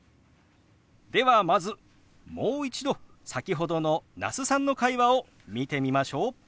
ではまずもう一度先ほどの那須さんの会話を見てみましょう。